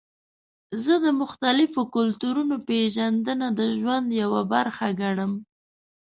زه د مختلفو کلتورونو پیژندنه د ژوند یوه برخه ګڼم.